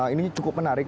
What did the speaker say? ini cukup menarik